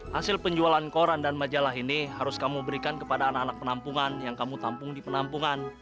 hasil penjualan koran dan majalah ini harus kamu berikan kepada anak anak penampungan yang kamu tampung di penampungan